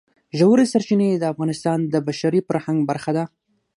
ژورې سرچینې د افغانستان د بشري فرهنګ برخه ده.